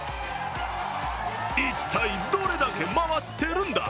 一体、どれだけ回ってるんだ？